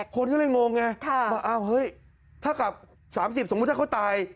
คนก็ล่ายงงไงว่าเอาเฮ้ยท่ากับสามสิบสมบุติถ้าเขาตาย